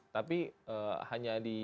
tapi hanya di